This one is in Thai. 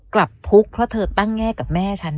กลับทุกข์เพราะเธอตั้งแง่กับแม่ฉัน